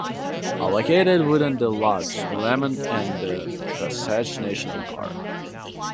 Located within the Loch Lomond and The Trossachs National Park.